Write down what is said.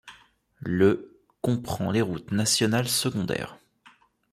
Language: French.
Le comprend les routes nationales secondaires.